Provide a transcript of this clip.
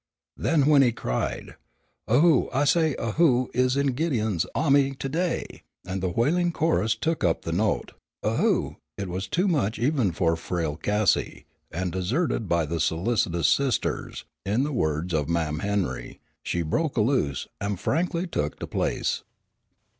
Then when he cried, "A who, I say, a who is in Gideon's ahmy to day?" and the wailing chorus took up the note, "A who!" it was too much even for frail Cassie, and, deserted by the solicitous sisters, in the words of Mam' Henry, "she broke a loose, and faihly tuk de place."